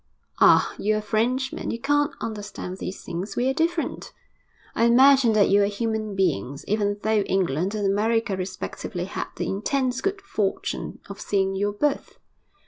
'Ah! you're a Frenchman, you can't understand these things. We are different.' 'I imagine that you are human beings, even though England and America respectively had the intense good fortune of seeing your birth.'